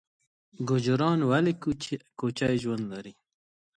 ګوجران ولې کوچي ژوند لري؟